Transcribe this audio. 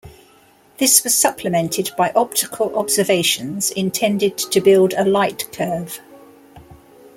This was supplemented by optical observations intended to build a lightcurve.